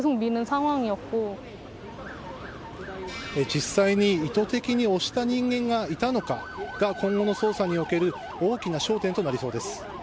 実際に意図的に押した人間がいたのかが今後の捜査における大きな焦点となりそうです。